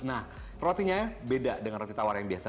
nah rotinya beda dengan roti tawar yang biasa